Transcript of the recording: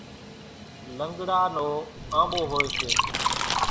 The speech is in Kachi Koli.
لنڳڙا نو آنٻو هوئيَ سي۔